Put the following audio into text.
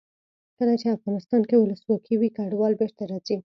کله چې افغانستان کې ولسواکي وي کډوال بېرته راځي.